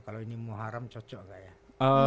kalau ini muharram cocok gak ya